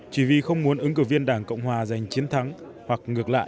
chỉ vì không muốn ứng cử viên đảng cộng hòa giành chiến thắng hoặc ngược lại